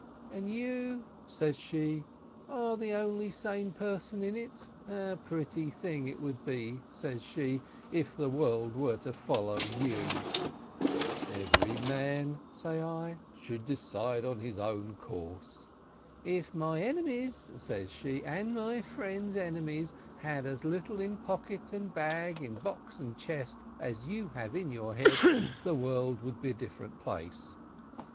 — "And you," says she, "are the only sane person in it ? A pretty thing it would be," says she, "if the world were to follow you !"— "Every man," say I, "should decide on his own course." — "If my enemies," says she, "and my friends' enemies, had as little in pocket and bag, in box and chest, as you have in your head, the world would be a different place."